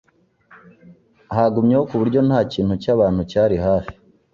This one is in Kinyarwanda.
Hagumyeho kuburyo ntakintu cyabantu cyari hafi